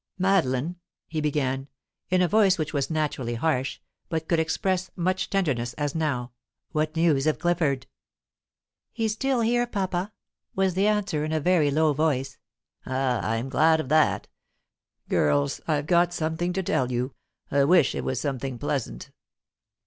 "Madeline," he began, in a voice which was naturally harsh, but could express much tenderness, as now, "what news of Clifford?" "He's still here, papa," was the answer, in a very low voice. "I am glad of that. Girls, I've got something to tell you. I wish it was something pleasant."